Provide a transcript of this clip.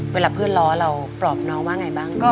เวลาเพื่อนร้อนอกเราปรอบน้องว่าเอาถึงไงบ้าง